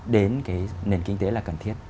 đến cái nền kinh tế là cần thiết